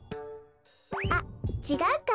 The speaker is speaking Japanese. あっちがうか。